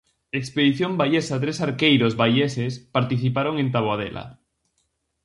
Expedición baiesa tres arqueiros baieses participaron en taboadela.